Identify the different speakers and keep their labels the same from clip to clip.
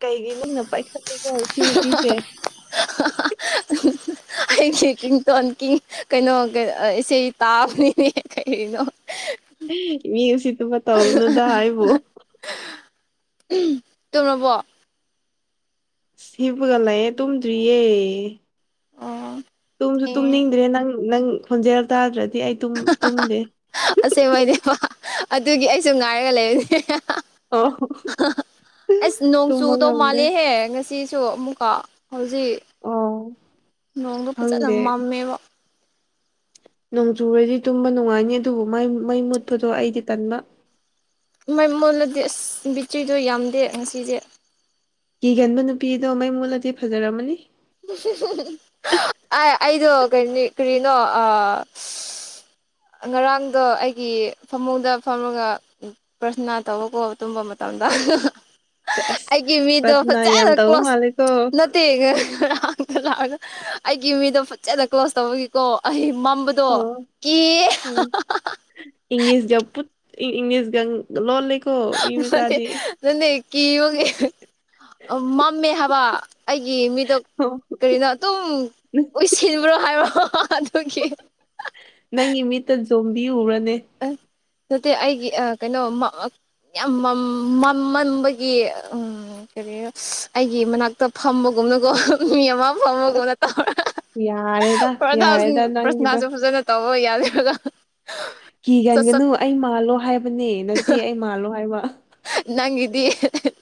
Speaker 1: ꯀꯩꯒꯤ ꯅꯪꯅ ꯄꯥꯏꯈꯠꯂꯤꯀꯣ ꯁꯤ ꯅꯨꯄꯤꯁꯦ
Speaker 2: ꯑꯩ ꯇꯀꯤ [unintelligible] ꯀꯩꯅꯣ ꯏꯁꯩꯆꯦ ꯇꯥꯕꯅꯤꯅꯦ ꯀꯔꯤꯅꯣ
Speaker 1: ꯊꯕ ꯇꯧꯅꯗ ꯍꯥꯏꯕꯣ
Speaker 2: ꯇꯧꯔꯕꯣ
Speaker 1: ꯁꯤꯕꯒꯂꯌꯦꯦ ꯇꯨꯝꯗ꯭ꯔꯤꯌꯦ
Speaker 2: ꯑꯣ
Speaker 1: ꯇꯨꯝꯁꯨ ꯇꯨꯝꯅꯤꯡꯗ꯭ꯔꯦ ꯅꯪ ꯅꯪ ꯈꯣꯟꯖꯦꯜ ꯇꯥꯗ꯭ꯔꯗꯤ ꯁꯤꯗꯤ ꯑꯩ ꯇꯨꯝꯗꯦ
Speaker 2: ꯑꯁꯦꯡꯕꯩꯅꯦꯕ ꯑꯗꯨꯒꯤ ꯑꯩꯁꯨ ꯉꯥꯏꯔꯒ ꯂꯩꯕꯅꯦ
Speaker 1: ꯑꯣ
Speaker 2: ꯑꯁ ꯅꯣꯡ
Speaker 1: ꯇꯨꯝꯕ
Speaker 2: ꯆꯨꯗꯧ
Speaker 1: ꯉꯝꯗꯦ
Speaker 2: ꯃꯥꯜꯂꯦꯍꯦ ꯉꯁꯤ ꯁꯤꯁꯨ ꯑꯃꯨꯛꯀ ꯍꯧꯖꯤꯛ
Speaker 1: ꯑꯣ
Speaker 2: ꯅꯣꯡꯗ ꯐꯖꯅ ꯃꯝꯃꯦꯕ
Speaker 1: ꯅꯣꯡꯖꯨꯔꯗꯤ ꯇꯨꯝꯕ ꯅꯨꯡꯉꯥꯏꯅꯤ ꯑꯗꯨꯕꯨ ꯃꯩ ꯃꯨꯠꯄꯗꯣ ꯑꯩꯗꯤ ꯇꯟꯕ
Speaker 2: ꯃꯥꯏ ꯃꯣꯟꯂꯗꯤ ꯑꯁ ꯕꯤꯆꯗꯣ ꯌꯥꯝꯗꯦ ꯉꯁꯤꯁꯦ
Speaker 1: ꯀꯤꯒꯟꯕ ꯅꯨꯄꯤ ꯑꯗꯣ ꯃꯩ ꯃꯨꯠꯂꯗꯤ ꯐꯖꯔꯝꯃꯅꯤ
Speaker 2: ꯑꯩꯗꯣ ꯀ ꯀꯔꯤꯅꯣ ꯉꯔꯥꯡꯗꯣ ꯑꯩꯒꯤ ꯐꯃꯨꯡꯗ ꯐꯝꯃꯒ ꯄ꯭ꯔꯁꯅꯥ ꯇꯧꯕ ꯀꯣꯕ ꯇꯨꯝꯕ ꯗ
Speaker 1: ꯑꯁ
Speaker 2: ꯑꯩꯒꯤ ꯃꯤꯗꯣ
Speaker 1: ꯄ꯭ꯔꯊꯅꯥ ꯌꯥꯝ
Speaker 2: ꯆꯅ
Speaker 1: ꯇꯧꯕ
Speaker 2: ꯀ꯭ꯂꯣꯁ
Speaker 1: ꯃꯥꯜꯂꯦꯀꯣ
Speaker 2: ꯅꯠꯇꯦ ꯑꯪꯀ ꯂꯥꯛꯑꯒ ꯑꯩꯒꯤ ꯃꯤꯗꯣ ꯐꯖꯅ ꯀ꯭ꯂꯣꯖ ꯇꯧꯕꯒꯤꯀꯣ ꯑꯩ ꯃꯝꯕꯗꯣ
Speaker 1: ꯑꯣ
Speaker 2: ꯀ
Speaker 1: ꯑꯣ ꯏꯪꯂꯤꯁ ꯂꯣ ꯂꯩ
Speaker 2: ꯅ ꯅꯗꯤ ꯀꯤꯉꯦ ꯃꯝꯃꯦ ꯍꯥꯏꯕ ꯑꯩꯒꯤ ꯃꯤꯗꯣ
Speaker 1: ꯑꯣ
Speaker 2: ꯀꯔꯤꯅꯣ ꯑꯗꯨꯝ ꯑꯣꯏꯁꯤꯟꯕ꯭ꯔꯣ ꯍꯥꯏꯕꯣ
Speaker 1: ꯅꯪꯒꯤ ꯃꯤꯠꯇ ꯖꯣꯝꯕꯤ ꯎꯔ
Speaker 2: ꯑ ꯃꯦ ꯑꯩꯒꯤ ꯑ ꯀꯩꯅꯣ ꯌꯥꯝ ꯃꯃꯟꯕꯒꯤ ꯎ ꯀꯔꯤ ꯑꯩꯒꯤ ꯃꯅꯥꯛꯇ ꯐ ꯀꯨꯝꯕꯒꯨꯝꯅꯀꯣ ꯃꯤ ꯑꯃ ꯐꯃꯒꯨꯝꯅ ꯇꯧꯔꯦ
Speaker 1: ꯌꯥꯔꯦꯗ
Speaker 2: ꯄ꯭ꯔꯊ
Speaker 1: ꯌꯥꯔꯦꯗ ꯅꯪꯒꯤꯗꯣ
Speaker 2: ꯄ꯭ꯔꯁꯅꯥꯁꯨ ꯐꯖꯅ ꯇꯧꯕ ꯌꯥꯗꯕ꯭ꯔꯒꯥ
Speaker 1: ꯀꯤ ꯀꯟꯒꯅꯨ ꯑꯩ ꯃꯥꯜꯂꯣ ꯍꯥꯏꯕꯅꯦ ꯅꯆꯦ ꯑꯩ ꯃꯥꯜꯂꯣ ꯍꯥꯏꯕ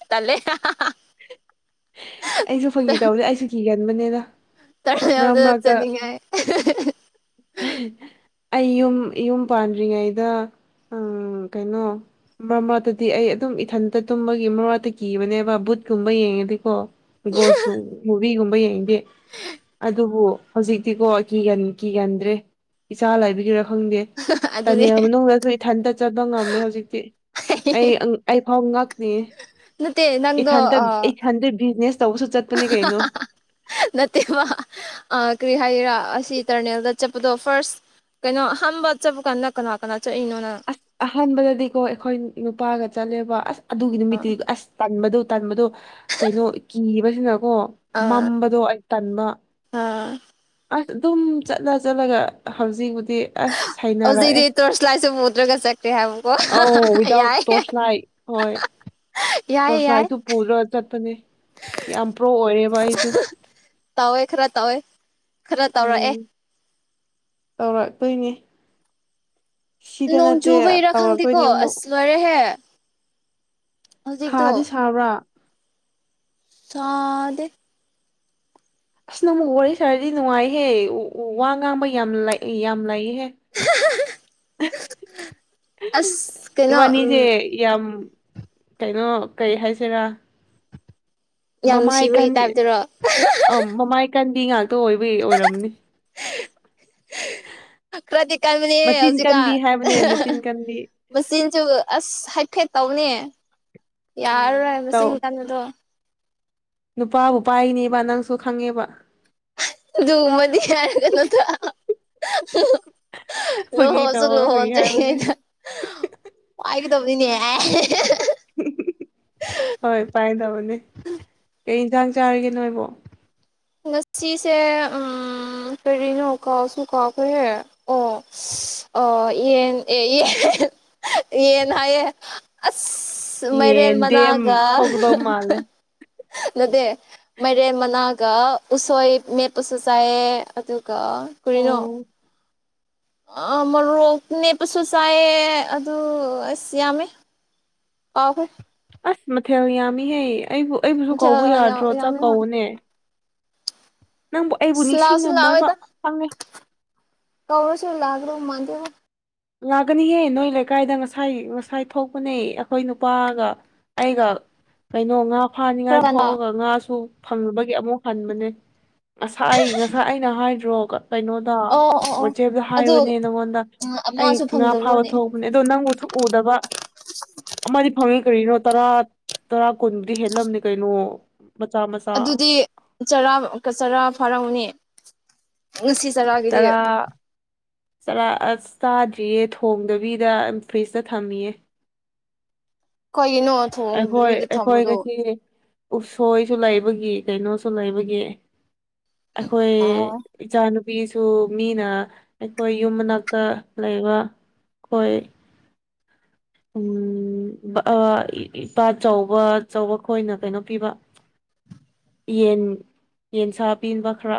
Speaker 2: ꯇꯂꯦ
Speaker 1: ꯑꯩꯁꯨ ꯐꯪꯒꯤ ꯇꯧꯁꯦ ꯑꯩꯁꯨ ꯀꯤꯒꯟꯕꯅꯦꯅ
Speaker 2: ꯇꯔꯗ ꯆ ꯆꯅꯤ ꯍꯥꯏ
Speaker 1: ꯑꯩ ꯌꯨꯝ ꯌꯨꯝ ꯄꯥꯟꯗ꯭ꯔꯤꯉꯩꯗ ꯀꯩꯅꯣ ꯃꯔꯃꯥꯠꯇꯗꯤ ꯑꯩ ꯑꯗꯨꯝ ꯏꯊꯟꯇ ꯇꯨꯝꯕꯒꯤ ꯃꯔꯥꯠꯇ ꯀꯤꯕꯅꯦꯕ ꯕꯨꯠꯀꯨꯝꯕ ꯌꯦꯡꯉꯗꯤ ꯀꯣ ꯒꯣꯁꯀꯨꯝ ꯃꯨꯚꯒꯨꯝꯕ ꯌꯦꯡꯗꯦ ꯑꯗꯨꯕꯨ ꯍꯧꯖꯤꯛꯇꯤꯀꯣꯤ ꯀꯤꯒꯟꯗ꯭ꯔꯦ ꯏꯆꯥ ꯂꯥꯏꯕꯤꯒꯤꯔ ꯈꯪꯗꯦ ꯇꯅꯦ
Speaker 2: ꯑꯗꯨꯅꯤ
Speaker 1: ꯃꯅꯨꯡꯗꯁꯨ ꯏꯊꯟꯇ ꯆꯠꯄ ꯉꯝꯃꯦ ꯍꯧꯖꯤꯛꯇꯤ ꯑꯩ ꯑꯩ ꯐꯥꯎ ꯉꯥꯛꯅꯤ
Speaker 2: ꯅꯠꯇꯦ ꯅꯪꯗꯣ
Speaker 1: ꯏꯊꯟꯗ ꯏꯊꯟꯗ ꯕꯤꯖꯤꯅꯦꯁ ꯇꯧꯕꯁꯨ ꯆꯠꯄꯅꯦ ꯀꯩꯅꯣ
Speaker 2: ꯅꯠꯇꯦꯕ ꯑ ꯀꯔꯤ ꯍꯥꯏꯔꯥ ꯑꯁꯤ ꯇꯔꯅꯦꯜꯗ ꯆꯠꯄꯗꯣ ꯐꯥꯔꯁ ꯀꯩꯅꯣ ꯑꯝꯕ ꯆꯠꯄ ꯀꯥꯟꯗ ꯀꯅꯥ ꯀꯅꯥ ꯆꯠꯏꯅꯣ ꯅꯪ
Speaker 1: ꯑꯁ ꯑꯍꯥꯟꯕꯗꯗꯤꯀꯣ ꯑꯩꯈꯣꯏ ꯅꯨꯄꯥꯒ ꯆꯠꯂꯦꯕ ꯑꯁ ꯑꯗꯨꯒꯤ ꯅꯨꯃꯤꯠꯇꯨ ꯑꯁ ꯇꯟꯕꯗꯨ ꯇꯟꯕꯗꯣ ꯀꯩꯅꯣ ꯀꯤꯕꯁꯤꯅꯀꯣ
Speaker 2: ꯑꯥ
Speaker 1: ꯃꯝꯕꯗꯣ ꯑꯩ ꯇꯟꯕ
Speaker 2: ꯑꯥ
Speaker 1: ꯑꯁ ꯑꯗꯨꯝ ꯆꯠꯂ ꯆꯠꯂꯒ ꯍꯧꯖꯤꯛ ꯁꯤ ꯑꯁ ꯁꯅꯔꯛꯑꯦ
Speaker 2: ꯍꯧꯖꯤꯛꯇꯤ ꯇꯣꯔꯁ ꯂꯥꯏꯠꯁꯨ ꯄꯨꯗ꯭ꯔꯒ ꯆꯠꯈ꯭ꯔꯦ ꯍꯥꯏꯕꯀꯣ
Speaker 1: ꯑꯥꯎ ꯋꯤꯗꯥꯎꯠ
Speaker 2: ꯌꯥꯏ
Speaker 1: ꯇꯣꯔꯁ ꯅꯥꯏ ꯍꯣꯏ
Speaker 2: ꯌꯥꯏ
Speaker 1: ꯇꯣꯔꯁ
Speaker 2: ꯌꯥꯏ
Speaker 1: ꯂꯥꯏꯠꯁꯨ ꯄꯨꯔ ꯆꯠꯄꯅꯦ ꯌꯥꯝ ꯄ꯭ꯔꯣ ꯑꯣꯏꯔꯦꯕ ꯑꯩꯁꯨ
Speaker 2: ꯇꯧꯋꯦ ꯈꯔ ꯇꯥꯎꯋꯦ ꯈꯔ ꯇꯧꯔꯛ ꯑꯦꯦ
Speaker 1: ꯎꯝ ꯇꯧꯔꯛꯇꯣꯏꯅꯦ ꯁꯤꯗ
Speaker 2: ꯅꯣꯡ
Speaker 1: ꯅꯠꯇꯦ
Speaker 2: ꯆꯨꯕ ꯏꯔꯥ ꯈꯪꯗꯦꯀꯣ
Speaker 1: ꯇꯧꯔꯛꯇꯣꯏꯅꯦ ꯑꯃꯨꯛ
Speaker 2: ꯑꯁ ꯂꯔꯦꯍꯦ
Speaker 1: ꯁꯥꯗꯤ ꯁꯥꯕ꯭ꯔꯥ
Speaker 2: ꯁꯥꯗꯦ
Speaker 1: ꯑꯁ ꯅ ꯑꯃꯨꯛ ꯋꯥꯔꯤ ꯁꯥꯔꯗꯤ ꯅꯨꯡꯉꯥꯏꯍꯦ ꯋꯥ ꯉꯥꯡꯕ ꯌꯥꯝ ꯌꯥꯝ ꯂꯩꯍꯦ
Speaker 2: ꯑꯁ ꯀꯩꯅꯣ
Speaker 1: ꯏꯕꯥꯅꯤꯖꯦ
Speaker 2: ꯎꯝ
Speaker 1: ꯌꯥꯝ ꯀꯩꯅꯣ ꯀꯩ ꯍꯥꯏꯁꯤꯦꯔꯥ
Speaker 2: ꯌꯥꯝ
Speaker 1: ꯃꯃꯥ ꯑꯩꯀ
Speaker 2: ꯅꯨꯡꯁꯤꯕꯒꯤ ꯇꯥꯏꯞꯇꯔꯣ
Speaker 1: ꯑ ꯃꯃꯥ ꯀꯟꯕꯤ ꯉꯥꯛꯇ ꯑꯣꯏꯕꯩ ꯑꯣꯏꯔꯝꯅꯤ
Speaker 2: ꯀ꯭ꯔꯗꯤ ꯀꯥꯏꯕꯅꯦ
Speaker 1: ꯃꯆꯤꯟ
Speaker 2: ꯍꯧꯖꯤꯛꯀ
Speaker 1: ꯀꯟꯕꯤ ꯍꯥꯏꯕꯅꯦ ꯃꯆꯤꯟ ꯀꯟꯕꯤ
Speaker 2: ꯃꯆꯤꯟꯁꯨ ꯑꯁ ꯍꯥꯏꯐꯦꯠ ꯇꯧꯅꯤ
Speaker 1: ꯎꯝ
Speaker 2: ꯌꯥꯔꯔꯣꯏ ꯍꯥꯏꯕꯕꯁꯤ
Speaker 1: ꯇꯧ
Speaker 2: ꯏꯟ ꯀꯥꯟꯗꯣ
Speaker 1: ꯅꯨꯄꯥꯕꯨ ꯄꯥꯏꯔꯤꯅꯦꯕ ꯅꯪꯁꯨ ꯈꯪꯉꯦꯕ
Speaker 2: ꯑꯗꯨꯒꯨꯝꯕꯗꯤ ꯍꯥꯏꯔꯛꯀꯅꯨꯗ
Speaker 1: ꯐꯥꯒꯤ
Speaker 2: ꯂꯨꯍꯣꯁꯨ
Speaker 1: ꯇꯧ ꯐꯥꯒꯤ
Speaker 2: ꯂꯨꯍꯣꯟꯗꯔꯤ
Speaker 1: ꯍꯥꯏꯕꯅꯦ
Speaker 2: ꯑꯩꯅ ꯄꯏ ꯀꯗꯕꯨꯅꯤꯅꯤ
Speaker 1: ꯍꯣꯏ ꯄꯥꯏꯗꯕꯅꯦ ꯀꯩ ꯌꯦꯟꯁꯥꯡ ꯆꯥꯔꯤꯒꯦ ꯅꯣꯏꯕꯣ
Speaker 2: ꯉꯁꯤꯁꯦ ꯀꯔꯤꯅꯣ ꯀꯥꯎꯁꯨ ꯀꯥꯎꯈ꯭ꯔꯍꯦ ꯑꯣ ꯑꯣ ꯌꯦꯟ ꯑꯦ ꯌꯦꯟ ꯌꯦꯟ ꯍꯥꯏꯌꯦ ꯑꯁ ꯃꯥꯏꯔꯦꯟ
Speaker 1: ꯌꯦꯟꯗꯦꯝ
Speaker 2: ꯃꯅꯥꯒ
Speaker 1: ꯊꯣꯛꯀꯗꯧ ꯃꯥꯜꯂꯦ
Speaker 2: ꯅꯗꯦ ꯃꯔꯦꯟ ꯃꯅꯥꯒ ꯎꯁꯣꯏ ꯃꯦꯄꯁꯨ ꯆꯥꯏꯦ ꯑꯗꯨ ꯀ ꯀꯅ
Speaker 1: ꯑꯣ
Speaker 2: ꯃꯣꯔꯣꯛ ꯅꯦꯞꯄꯁꯨ ꯆꯥꯏꯌꯦ ꯑꯗꯨ ꯑꯁ ꯌꯥꯝꯃꯦ ꯑ ꯐꯣꯏ
Speaker 1: ꯑꯁ ꯃꯊꯦꯜ ꯌꯥꯝꯃꯤꯍꯦ ꯑꯩꯕꯨ ꯑꯩꯕꯨꯁꯨ ꯀꯧꯕ ꯌꯥꯗ꯭ꯔꯣ ꯆꯥꯛ
Speaker 2: ꯌꯥꯝꯃꯦ ꯍꯣꯏ
Speaker 1: ꯀꯧꯕꯧꯅꯦ
Speaker 2: ꯁ ꯂꯥꯎ ꯁ
Speaker 1: ꯅꯤꯡꯁꯤꯡꯉꯝꯃꯣꯏꯕ
Speaker 2: ꯂꯑꯣꯦꯗ
Speaker 1: ꯈꯪꯉꯦ
Speaker 2: ꯀꯧꯁꯨ ꯂꯒ꯭ꯔꯨ ꯃꯥꯗ
Speaker 1: ꯂꯥꯛꯒꯅꯤꯍꯦ ꯅꯣꯏ ꯂꯩꯀꯥꯏꯗ ꯉꯁꯥꯏ ꯉꯁꯥꯏ ꯊꯣꯛꯄꯅꯦ ꯑꯩꯈꯣꯏ ꯅꯨꯄꯥꯒ ꯑꯩꯒ ꯀꯩꯅꯣ ꯉꯥ
Speaker 2: ꯈꯔ
Speaker 1: ꯐꯥꯅꯤꯡꯉꯥꯏ
Speaker 2: ꯉꯟꯅ
Speaker 1: ꯊꯣꯛꯑꯒ ꯉꯥꯁꯨ ꯐꯪꯕꯒꯤ ꯑꯃꯨꯛ ꯍꯟꯕꯅꯦ ꯉꯁꯥꯏ ꯑꯩ ꯉꯁꯥꯏ ꯑꯩꯅ ꯍꯥꯏꯗ꯭ꯔꯣꯒ ꯀꯩꯅꯣꯗ
Speaker 2: ꯑꯣ ꯑꯣ ꯑꯣ
Speaker 1: ꯋꯥꯆꯦꯞꯇ
Speaker 2: ꯑꯗꯨ
Speaker 1: ꯍꯥꯏꯔꯨꯅꯦ ꯅꯪꯉꯣꯟꯗ ꯑꯩ
Speaker 2: ꯑꯃꯁꯨ
Speaker 1: ꯉꯥ ꯐꯥꯕ
Speaker 2: ꯐꯪꯗꯕ꯭ꯔꯣꯅꯦ
Speaker 1: ꯊꯣꯛꯣꯡꯕꯅꯦ ꯑꯗꯣ ꯅꯪꯕꯨꯁꯨ ꯎꯗꯕ ꯑꯃꯗꯤ ꯐꯪꯉꯤ ꯀꯔꯤꯅꯣ ꯇꯔꯥ ꯇꯔꯥ ꯀꯨꯟꯕꯨꯗꯤ ꯍꯦꯜꯂꯝꯅꯤ ꯀꯩꯅꯣ ꯃꯆꯥ ꯃꯆꯥ
Speaker 2: ꯑꯗꯨꯗꯤ ꯆꯔꯥ ꯆꯔꯥ ꯐꯥꯔꯧꯅꯤ ꯉꯁꯤ ꯆꯔꯛꯑꯒꯗꯤ
Speaker 1: ꯆꯔꯥ ꯑꯁ ꯆꯥꯗ꯭ꯔꯤꯌꯦ ꯊꯣꯡꯗꯕꯤꯗ ꯐ꯭ꯔꯤꯖꯇ ꯊꯝꯃꯤꯌꯦ
Speaker 2: ꯀꯩꯒꯤꯅꯣ
Speaker 1: ꯑꯩꯈꯣꯏ
Speaker 2: ꯊꯣꯡꯗꯕꯤꯗ
Speaker 1: ꯑꯩꯈꯣꯏ
Speaker 2: ꯊꯝꯕꯗꯣ
Speaker 1: ꯀꯁꯤ ꯎꯞꯁꯣꯏꯁꯨ ꯂꯩꯕꯒꯤ ꯀꯩꯅꯣꯁꯨ ꯂꯩꯕꯒꯤ ꯑꯩꯈꯣꯏ
Speaker 2: ꯑꯣ
Speaker 1: ꯏꯆꯥꯅꯨꯄꯤ ꯃꯤꯁꯨ ꯃꯤꯅ ꯑꯩꯈꯣꯏ ꯌꯨꯝ ꯃꯅꯥꯛꯇ ꯂꯩꯕ ꯈꯣꯏ ꯎꯝ ꯎ ꯏꯄꯥ ꯆꯥꯎꯧꯕ ꯑꯆꯧꯕ ꯈꯣꯏꯅ ꯀꯩꯅꯣ ꯄꯤꯕ ꯌꯦꯟ ꯌꯦꯟꯁꯥ ꯄꯤꯕ ꯈꯔ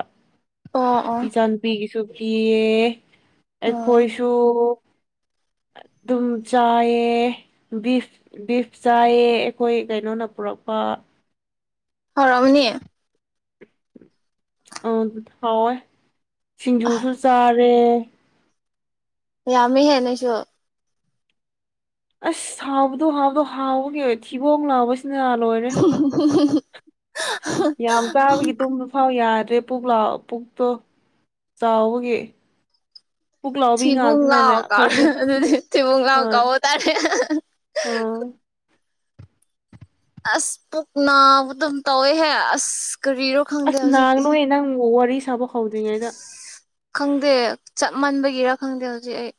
Speaker 2: ꯑꯣ ꯑꯣ
Speaker 1: ꯏꯆꯥꯄꯤꯒꯤꯁꯨ ꯐꯤꯌꯦ
Speaker 2: ꯑꯣ
Speaker 1: ꯑꯩꯈꯣꯏꯁꯨ ꯑꯗꯨꯝ ꯆꯥꯌꯦ ꯕꯤꯐ ꯕꯤꯐ ꯆꯥꯏꯑ ꯑꯩꯈꯣꯏ ꯀꯩꯅꯣꯅ ꯄꯨꯔꯛꯄ
Speaker 2: ꯍ ꯔꯝꯅꯤ
Speaker 1: ꯑ ꯑꯗꯨ ꯊꯥꯎꯋꯦ ꯁꯤꯡꯖꯨꯁꯨ ꯆꯥꯔꯦ
Speaker 2: ꯌꯥꯝꯃꯦ ꯍꯦꯟꯅꯁꯨ
Speaker 1: ꯑꯁ ꯍꯥꯎꯕꯗꯣ ꯍꯥꯎꯕꯗꯣ ꯍꯥꯎꯕꯒꯤꯦ ꯊꯤꯕꯣꯡ ꯂꯥꯎꯕꯁ
Speaker 2: [inaudible] [unintelligible]
Speaker 1: ꯌꯥꯝ ꯆꯥꯕꯒꯤ ꯇꯨꯝꯕ ꯐꯥꯎ ꯌꯥꯔꯦ ꯑꯦ ꯄꯨꯛ ꯂꯥꯛ ꯄꯨꯛꯇꯣ ꯆꯥꯎꯕꯒꯤ ꯄꯨꯛ ꯂꯥꯎꯕꯤ
Speaker 2: ꯊꯤꯕꯨꯡ
Speaker 1: ꯉꯥꯛꯇꯅꯅꯦ
Speaker 2: ꯂꯥꯎ ꯀꯥꯎ
Speaker 1: ꯑꯩꯈꯣꯏꯗꯤ
Speaker 2: ꯑꯗꯨꯗꯤ ꯊꯤꯕꯨꯡ ꯂꯥꯎ
Speaker 1: ꯍꯣꯏ
Speaker 2: ꯀꯧꯕ ꯇꯥꯔꯦ
Speaker 1: ꯑ
Speaker 2: ꯑꯁ ꯄꯨꯨꯛꯅꯥ ꯎ ꯑꯗꯨꯝ ꯇꯧ ꯍꯥꯏ ꯑꯁ ꯀꯔꯤꯔꯣ ꯈꯪꯗꯦ
Speaker 1: ꯑꯁ ꯅꯥꯡ
Speaker 2: ꯍꯧꯖꯤꯛꯀꯤꯁꯦ
Speaker 1: ꯅꯣꯏꯍ ꯅꯪ ꯋꯥꯔꯤ ꯁꯥꯕ ꯍꯧꯗ꯭ꯔꯤꯉꯩꯗ
Speaker 2: ꯈꯪꯗꯦ ꯆꯞ ꯃꯟꯕꯒꯤꯔ ꯈꯪꯗꯦ ꯍꯧꯖꯤꯛ ꯑꯩ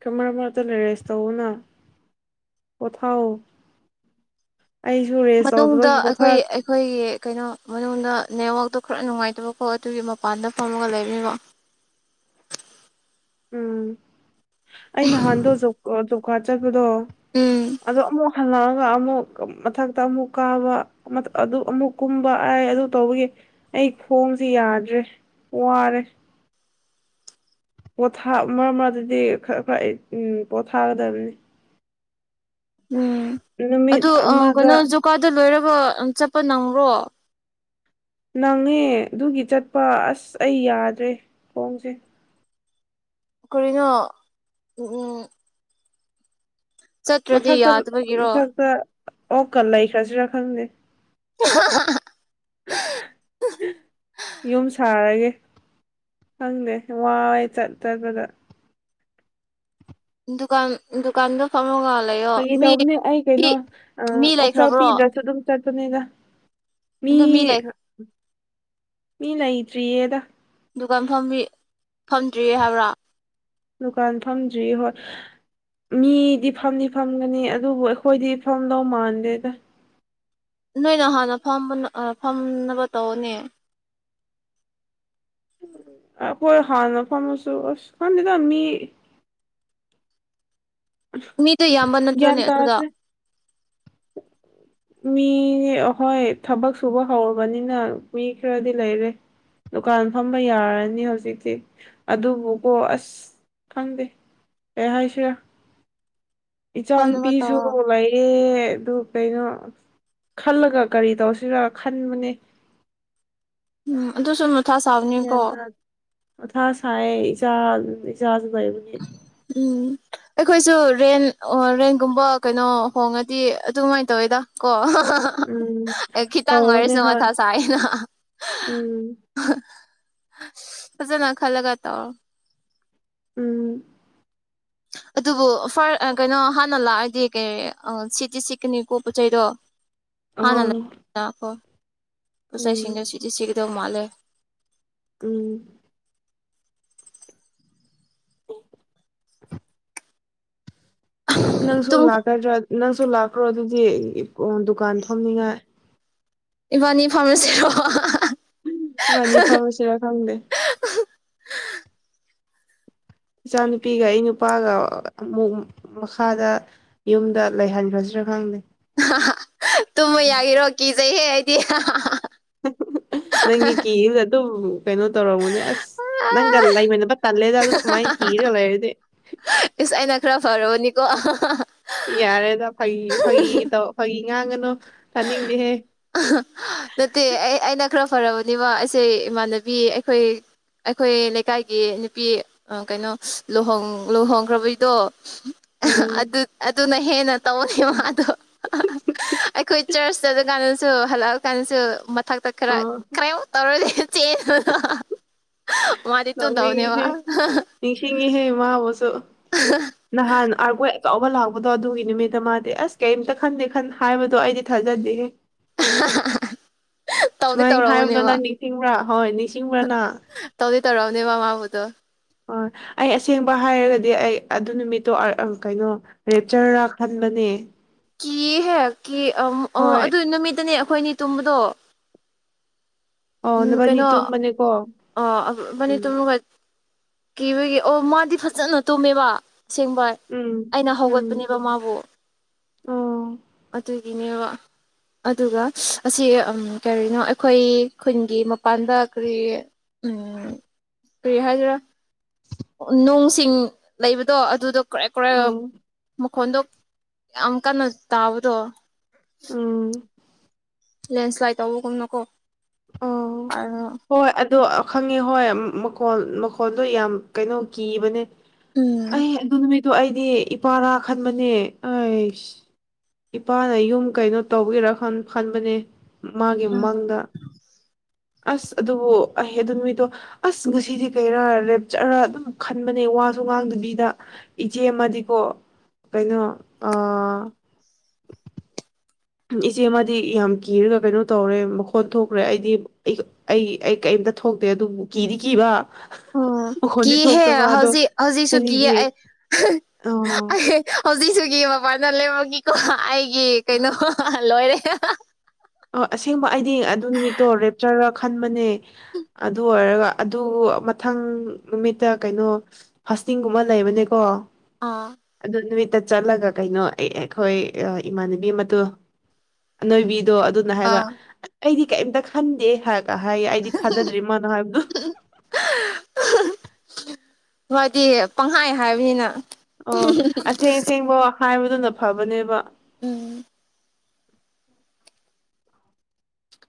Speaker 1: ꯀꯃꯔ ꯃꯔꯇ ꯂꯩꯔꯦꯁ ꯇꯅ ꯄꯊꯊꯧꯥꯎ
Speaker 2: ꯃꯇꯨꯡꯗ ꯑꯩꯈꯣꯏ ꯑꯩꯈꯣꯏꯒꯤ ꯀꯩꯅꯣ ꯃꯅꯨꯡꯗ ꯅꯦꯠꯋꯥꯛꯇꯣ ꯈꯔ ꯅꯨꯡꯉꯥꯏꯇꯕꯀꯣ ꯑꯗꯨꯒꯤ ꯃꯄꯥꯟꯗ ꯐꯝꯃꯒ ꯂꯩꯕꯤꯕ
Speaker 1: ꯎꯝ ꯑꯩ ꯅꯍꯥꯟꯗꯣ ꯖꯥ ꯗꯣ
Speaker 2: ꯎꯝ
Speaker 1: ꯑꯗꯣ ꯑꯃꯨꯛ ꯍꯜꯂ ꯑꯃꯨꯛ ꯃꯊꯛꯇ ꯑꯃꯨꯛ ꯀꯥꯕ ꯑꯃꯨꯛ ꯀꯨꯝꯕ ꯑ ꯑꯗꯨ ꯇꯧꯕꯒꯤ ꯑꯩ ꯈꯣꯡꯁꯦ ꯌꯥꯗ꯭ꯔꯦ ꯋꯥꯔꯦ ꯄꯣꯊꯥ ꯃꯔꯗꯤ ꯈꯔ ꯈꯔ ꯑꯩ ꯄꯣꯊꯥꯒꯗꯕꯅꯤ
Speaker 2: ꯎꯝ
Speaker 1: ꯅꯨꯃꯤꯠ
Speaker 2: ꯑꯗꯨ
Speaker 1: ꯑꯃꯗ
Speaker 2: ꯀꯩꯅꯣ ꯖꯨꯀꯥꯗ ꯂꯣꯏꯔꯕ ꯆꯠꯄ ꯅꯪ꯭ꯔꯣ
Speaker 1: ꯅꯪꯉꯦ ꯑꯗꯨꯒꯤ ꯆꯠꯄ ꯑꯁ ꯑꯩ ꯌꯥꯗ꯭ꯔꯦ ꯍꯣꯡꯁꯦ
Speaker 2: ꯀꯔꯤꯅꯣ ꯎꯝ ꯆꯠꯇ꯭ꯔꯗꯤ
Speaker 1: ꯃꯊꯛꯇ
Speaker 2: ꯌꯥꯗꯕꯒꯤꯔꯣ
Speaker 1: ꯃꯊꯛꯇ ꯑꯣꯛꯀ ꯂꯩꯈ꯭ꯔꯁꯤꯔꯥ ꯈꯪꯗꯦ ꯌꯨꯝ ꯁꯥꯔꯒꯦ ꯍꯪꯅꯦꯦ ꯋꯥꯏ ꯆꯠ ꯆꯠꯄꯗ
Speaker 2: ꯗꯨꯀꯥꯟ ꯗꯨꯀꯥꯟꯗꯣ ꯐꯔꯒ
Speaker 1: ꯀꯒꯤ ꯇꯧꯕꯅꯦ ꯑꯩ ꯀꯩꯅꯣ
Speaker 2: ꯃꯤ
Speaker 1: ꯑꯣꯛꯆꯥꯛ
Speaker 2: ꯂꯩꯈ꯭ꯔꯕ꯭ꯔꯣ
Speaker 1: ꯄꯤꯗ꯭ꯔꯁꯨ ꯑꯗꯨꯝ ꯆꯠ ꯗ ꯃꯤ
Speaker 2: ꯑꯗꯨ ꯂꯩꯈ꯭ꯔ
Speaker 1: ꯃꯤ ꯂꯩꯇ꯭ꯔꯤꯌꯦꯗ
Speaker 2: ꯗꯨꯀꯥꯟ ꯐꯝ ꯐꯝꯗ꯭ꯔꯤꯌꯦ ꯍꯥꯏꯕ꯭ꯔꯥ
Speaker 1: ꯗꯨꯀꯥꯟ ꯐꯪꯗ꯭ꯔꯤ ꯍꯣꯏ ꯃꯤꯗꯤ ꯐꯝꯗꯤ ꯐꯝꯒꯅꯤ ꯑꯗꯨꯕꯨ ꯑꯩꯈꯣꯏꯗꯤ ꯐꯝꯗꯧ ꯃꯥꯟꯗꯦꯗ
Speaker 2: ꯅꯣꯏꯅ ꯍꯥꯟꯅ ꯐꯝꯕ ꯐꯝꯅꯕ ꯇꯧꯅꯦ
Speaker 1: ꯑ ꯀꯣꯏ ꯍꯥꯟꯅ ꯐꯝꯁꯨ ꯀꯥꯟꯗꯗ ꯃꯤ
Speaker 2: ꯃꯤꯗꯣ ꯏꯌꯥꯝꯕ
Speaker 1: ꯒ꯭ꯌꯥꯟ
Speaker 2: ꯅꯠꯇ꯭ꯔꯣꯅꯦ ꯑꯗꯨꯗ
Speaker 1: ꯇꯥꯗ꯭ꯔꯦ ꯃꯤ ꯑꯍꯣꯏ ꯊꯕꯛ ꯁꯨꯕ ꯍꯧꯔꯕꯅꯤꯅ ꯃꯤ ꯈꯔꯗꯤ ꯂꯩꯔꯦ ꯗꯨꯀꯥꯟ ꯐꯝꯕ ꯌꯥꯔꯅꯤ ꯍꯧꯖꯤꯛꯇꯤ ꯑꯗꯨꯕꯨꯀꯣ ꯑꯁ ꯈꯪꯗꯦ ꯑꯦ ꯍꯥꯏ ꯍꯥꯏꯁꯤꯔ ꯏꯆꯥ
Speaker 2: ꯐꯝꯅꯕ
Speaker 1: ꯅꯨꯨꯄꯤꯁꯨ
Speaker 2: ꯇꯧꯑꯣ
Speaker 1: ꯂꯩꯌꯦꯦ ꯑꯗꯨ ꯀꯩꯅꯣ ꯈꯜꯂꯒ ꯀꯔꯤ ꯇꯧꯁꯤꯔꯥ ꯈꯟꯕꯅꯦ
Speaker 2: ꯎꯝ ꯑꯗꯨꯁꯨ ꯑꯗꯨꯝ ꯃꯊꯥ ꯁꯥꯕꯅꯤꯀꯣ
Speaker 1: ꯑꯊꯥ ꯁꯥꯏ ꯏꯖꯥ ꯏꯖ
Speaker 2: ꯎꯝ ꯑꯩꯈꯣꯏꯁꯨ ꯔꯦꯟ ꯔꯦꯟꯒꯨꯝꯕ ꯀꯩꯅꯣ ꯍꯣꯡꯉꯗꯤ ꯑꯗꯨꯃꯥꯏꯅ ꯇꯧꯋꯦꯗ ꯀꯣ
Speaker 1: ꯎꯝ
Speaker 2: ꯈꯤꯇꯪ
Speaker 1: ꯇꯧꯕꯅꯦ
Speaker 2: ꯑꯣꯏꯔꯁꯨ
Speaker 1: ꯍꯣꯏ
Speaker 2: ꯃꯊꯥ ꯁꯥꯏꯅ
Speaker 1: [inaudible]
Speaker 2: ꯐꯖꯅ ꯈꯥꯂꯒ ꯇ
Speaker 1: ꯎꯝ
Speaker 2: ꯑꯗꯨꯕꯨ ꯐꯔ ꯀꯩꯅꯣ ꯍꯥꯟꯅ ꯂꯥꯛꯑꯗꯤ ꯀꯩ ꯁꯤꯠꯇꯤ ꯁꯤꯠꯀꯅꯤꯀꯣ ꯄꯣꯠ ꯆꯩꯗꯣ
Speaker 1: ꯑ
Speaker 2: ꯍꯥꯟꯅ ꯂꯩꯥꯛꯈꯣ ꯄꯣꯠꯆꯩꯁꯤꯡꯗꯣ
Speaker 1: ꯎꯝ
Speaker 2: ꯁꯤꯗꯤ ꯆꯠꯒꯗꯧ ꯃꯥꯜꯂꯦ
Speaker 1: ꯎꯝ ꯎ ꯅꯪꯁꯨ
Speaker 2: ꯇꯨꯝ
Speaker 1: ꯂꯥꯛꯀꯗ꯭ꯔꯥ ꯅꯪꯁꯨ ꯂꯥꯛꯈ꯭ꯔꯣ ꯑꯗꯨꯗꯤ ꯗꯨꯀꯥꯟ ꯊꯝꯅꯤꯉꯥꯏ
Speaker 2: ꯏꯕꯥꯅꯤ ꯐꯥꯔꯃꯁꯤꯔꯣ
Speaker 1: ꯕꯥꯅꯤ ꯐꯔꯨꯁꯤꯔꯥ ꯈꯪꯗꯦ ꯏꯆꯥ ꯅꯨꯨꯄꯤꯒ ꯑꯩ ꯅꯨꯄꯥꯒ ꯑꯃꯨꯛ ꯃꯈꯥꯗ ꯌꯨꯝꯗ ꯂꯩꯍꯟꯈ꯭ꯔꯁꯨ ꯈꯪꯗꯦ
Speaker 2: ꯇꯨꯝꯕ ꯌꯥꯒꯤꯔꯣ ꯀꯤꯖꯩꯍꯦ ꯑꯩꯗꯤ
Speaker 1: ꯅꯪꯒꯤ ꯀꯤ ꯑꯇꯨꯝ ꯀꯩꯅꯣ ꯇꯧꯔꯝꯃꯨꯅꯦ ꯑꯁ ꯅꯪꯒ ꯂꯩꯃꯤꯟꯅꯕ ꯇꯜꯂꯦꯗ ꯑꯗꯨ ꯁꯨꯃꯥꯏꯅ ꯀꯤꯔꯒ ꯂꯩꯔꯗꯤ
Speaker 2: ꯏꯁ ꯑꯩꯅ ꯈꯔ ꯐꯔꯕꯅꯤꯀꯣ
Speaker 1: ꯌꯥꯔꯦꯗ ꯐꯒꯤ ꯐꯒꯤ ꯇꯧ ꯐꯒꯤ ꯉꯥꯡꯒꯅꯣ
Speaker 2: ꯅꯠꯇꯦ ꯑꯩꯅ ꯈꯔ ꯐꯔꯕꯅꯤꯕ ꯑꯩꯁꯦ ꯏꯃꯥꯟꯅꯕꯤ ꯑꯩꯈꯣꯏ ꯑꯩꯈꯣꯏ ꯂꯩꯀꯥꯏꯒꯤ ꯅꯨꯄꯤ ꯀꯩꯅꯣ ꯂꯨꯍꯣꯡ ꯂꯨꯍꯣꯡꯈ꯭ꯔꯕꯩꯗꯣ
Speaker 1: ꯎꯝ
Speaker 2: ꯑꯗꯨ ꯑꯗꯨꯅ ꯍꯦꯟꯅ ꯇꯧꯌꯦ ꯑꯗꯣ ꯑꯩꯈꯣꯏ ꯆꯔꯆ ꯆꯠ ꯑꯗꯨ ꯀꯥꯟꯗꯁꯨ ꯍꯜꯂꯛꯑ ꯀꯥꯟꯗꯁꯨ ꯃꯊꯛꯇ ꯈꯔ
Speaker 1: ꯑ
Speaker 2: ꯈꯔꯃꯨꯛ ꯇꯧꯔꯦ [unintelligible] ꯃꯥꯗꯤ ꯇꯣꯗꯧꯅꯦ ꯃꯥ
Speaker 1: ꯅꯣꯛꯅꯤꯡꯉꯤꯍꯦ [unintelligible] ꯅꯍꯥꯟ ꯑ [unintelligible] ꯆꯥꯎꯕ ꯂꯥꯛꯄꯗꯣ ꯑꯗꯨꯒꯤ ꯅꯨꯃꯤꯠꯇ ꯃꯥꯗꯤ ꯑꯁ ꯀꯔꯤꯝꯇ ꯈꯟꯗꯦ ꯍꯥꯏꯕꯗꯣ ꯑꯩꯗꯤ ꯊꯥꯖꯗꯦꯦ
Speaker 2: [unintelligible] ꯇꯧꯗꯤ
Speaker 1: ꯁꯨꯃꯥꯏꯅ
Speaker 2: ꯇꯧꯔꯛꯎꯅꯦꯕ
Speaker 1: ꯍꯥꯏꯕꯗꯅ ꯅꯤꯡꯁꯤꯡꯕ꯭ꯔꯥ ꯍꯣꯏ ꯅꯤꯡꯁꯤꯡꯕ꯭ꯔꯥꯅ
Speaker 2: ꯇꯔꯥꯎ ꯅꯦꯃꯎꯑꯣꯗꯣ
Speaker 1: ꯍ ꯑꯩ ꯑꯁꯦꯡꯕ ꯍꯥꯏꯔꯒꯗꯤ ꯑꯩ ꯑꯗꯨ ꯅꯨꯃꯤꯠꯇꯣ ꯀꯩꯅꯣ ꯔꯦꯞꯆꯔꯔꯥ ꯈꯟ ꯂꯧꯅꯦ
Speaker 2: ꯀꯤ ꯍꯦꯛ ꯀ
Speaker 1: ꯍꯣꯏ
Speaker 2: ꯑꯗꯨ ꯅꯨꯃꯤꯠꯇꯅꯦ ꯑꯩꯈꯣꯏꯅꯤ ꯇꯨꯝꯕꯗꯣ
Speaker 1: ꯑꯣ
Speaker 2: ꯎꯝ
Speaker 1: ꯅꯕꯥꯅꯤ
Speaker 2: ꯀꯩꯅꯣ
Speaker 1: ꯇꯨꯝꯕꯅꯦꯀꯣ
Speaker 2: ꯃꯅꯤ
Speaker 1: ꯎꯝ
Speaker 2: ꯇꯨꯔꯅꯨꯡꯒ ꯀꯤꯕꯒꯤꯦ ꯑꯣ ꯃꯥꯗꯤ ꯐꯖꯅ ꯇꯨꯝꯃꯦꯕ ꯑꯁꯦꯡꯕꯣꯏ
Speaker 1: ꯎꯝ
Speaker 2: ꯑꯩꯅ
Speaker 1: ꯎꯝ
Speaker 2: ꯍꯧꯒꯠꯄꯅꯦꯕ ꯃꯥꯕꯨ
Speaker 1: ꯑꯣ
Speaker 2: ꯑꯗꯨꯒꯤꯅꯦꯕ ꯑꯗꯨꯒ ꯑꯁꯤ ꯀꯔꯤꯅꯣ ꯑꯩꯈꯣꯏ ꯈꯨꯟꯒꯤ ꯃꯄꯥꯟꯗ ꯀꯔꯤ ꯀꯔꯤ ꯍꯥꯏꯗꯔꯥ ꯅꯨꯡꯁꯤꯡ ꯂꯩꯕꯗꯣ ꯑꯗꯨꯗꯣ ꯀꯔꯦ ꯀ꯭ꯔꯦ
Speaker 1: ꯑꯥ
Speaker 2: ꯃꯈꯣꯟꯗꯣ ꯌꯥꯝ ꯀꯟꯅ ꯇꯥꯕꯗꯣ
Speaker 1: ꯎꯝ
Speaker 2: ꯂꯦꯟꯁ꯭ꯂꯥꯏꯠ ꯇꯧꯕꯒꯨꯝꯅꯀꯣ
Speaker 1: ꯑꯣ
Speaker 2: ꯎꯝ
Speaker 1: ꯍꯣꯏ ꯑꯗꯣ ꯈꯪꯉꯦ ꯍꯣꯏ ꯃꯈꯣꯜ ꯃꯈꯣꯜꯗꯣ ꯌꯥꯝ ꯀꯩꯅꯣ ꯀꯤꯕꯅꯦ
Speaker 2: ꯎꯝ
Speaker 1: ꯑꯗ ꯑꯩꯗꯤ ꯏꯄꯥꯔꯥ ꯈꯟꯕꯅꯦ ꯑꯩꯁ ꯏꯄꯥꯅ ꯌꯨꯝ ꯀꯩꯅꯣ ꯇꯧꯕꯤꯔ ꯈꯟꯕꯅꯦ ꯃꯥꯒꯤ ꯃꯪꯗ ꯑꯁ ꯑꯗꯨꯕꯨ ꯑꯩꯍ ꯑꯗꯨ ꯃꯤꯗꯣ ꯑꯁ ꯉꯁꯤꯗꯤ ꯀꯩꯔꯥ ꯂꯦꯞꯆꯔ ꯑꯗꯨꯝ ꯈꯟꯕꯅꯦ ꯋꯥꯁꯨ ꯉꯥꯡꯗꯕꯤꯗ ꯏꯆꯦ ꯑꯃꯗꯤꯀꯣ ꯀꯩꯅꯣ [inaudible] ꯏꯆꯦꯃ ꯌꯥꯝ ꯀꯤꯔꯒ ꯀꯩꯅꯣ ꯇꯧꯔꯦ ꯃꯈꯣꯟꯠ ꯊꯣꯛꯈ꯭ꯔꯦ ꯑꯩꯗꯤ ꯑꯝꯇ ꯊꯣꯛꯇꯦ ꯑꯗꯨꯕꯨ ꯀꯤꯗꯤ ꯀꯤꯕ
Speaker 2: ꯑ ꯑꯣ
Speaker 1: ꯃꯈꯣꯟꯗꯤ
Speaker 2: ꯀꯤꯍꯦ
Speaker 1: ꯊꯣꯛꯇꯕ ꯑꯗꯣ
Speaker 2: ꯍꯧꯖꯤꯛ ꯍꯧꯖꯤꯛꯁꯨ ꯀꯤ
Speaker 1: ꯀꯔꯤꯒꯤ ꯑ
Speaker 2: [unintelligible] ꯍꯧꯖꯤꯛꯁꯨꯒꯤ ꯃꯄꯥꯟꯗ ꯂꯦꯝꯃꯈꯤꯀꯣ ꯑꯩꯒꯤ ꯀꯩꯅꯣ ꯂꯣꯏꯔꯦ
Speaker 1: ꯑ ꯑꯁꯦꯡꯕ ꯑꯩꯗꯤ ꯑꯗꯨ ꯅꯨꯃꯤꯠꯇꯣ ꯂꯦꯞꯆꯔ ꯈꯟꯕꯅꯦ ꯑꯗꯨ ꯑꯣꯏꯔꯒ ꯑꯗꯨ ꯃꯊꯪ ꯅꯨꯃꯤꯠꯇ ꯀꯩꯅꯣ ꯐꯥꯁꯇꯤꯡꯒꯨꯝꯕ ꯂꯩꯕꯅꯦꯀꯣ
Speaker 2: ꯑꯥ
Speaker 1: ꯑꯗꯣ ꯇ ꯆꯠꯂꯒ ꯀꯩꯅꯣ ꯑꯩ ꯑꯩꯈꯣꯏ ꯏꯃꯥꯟꯅꯕꯤ ꯑꯃꯣ ꯑꯅꯣꯏꯕꯤꯗꯣ ꯑꯗꯨꯅ ꯍꯥꯏꯕ
Speaker 2: ꯑꯥ
Speaker 1: ꯑꯩꯗꯤ ꯀꯩꯝꯇ ꯈꯟꯗꯦ ꯀ ꯍꯥꯏ ꯑꯩꯗꯤ ꯊꯥꯖꯗ꯭ꯔꯤꯃꯅꯣ ꯍꯥꯏꯕꯗꯨ
Speaker 2: ꯍꯣꯏꯗꯤ ꯄꯪꯈꯥꯏ ꯍꯥꯏꯕꯅꯤꯅ
Speaker 1: ꯑꯣ ꯑꯁꯦꯡ ꯑꯁꯦꯡꯕ ꯍꯥꯏꯕꯗꯨꯅ ꯐꯕꯅꯦꯕ
Speaker 2: ꯎꯝ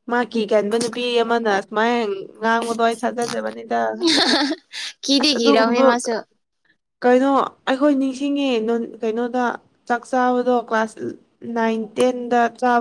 Speaker 1: ꯃꯍꯥꯛꯀꯤ ꯀꯥꯏꯕ ꯅꯨꯄꯤ ꯑꯃꯅ ꯁꯨꯃꯥꯏ ꯉꯥꯡꯕꯗꯣ ꯑꯩ ꯊꯥꯖꯗꯕꯅꯤꯗ
Speaker 2: ꯀꯤꯗꯤ
Speaker 1: ꯑꯁ
Speaker 2: ꯀꯤꯔꯝꯅꯤ ꯃꯥꯁꯨ
Speaker 1: ꯀꯩꯅꯣ ꯑꯩꯈꯣꯏ ꯅꯤꯡꯁꯤꯡꯉꯦ ꯀꯩꯅꯣꯗ ꯆꯥꯛ ꯆꯥꯕꯗꯣ ꯀ꯭ꯂꯥꯁ ꯅꯥꯏꯟ ꯆꯥ